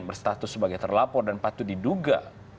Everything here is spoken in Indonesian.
berstatus sebagai terlapor dan patut diduga